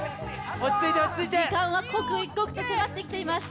時間は刻一刻と迫ってきています。